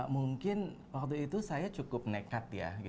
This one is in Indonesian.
mungkin waktu itu saya cukup nekat ya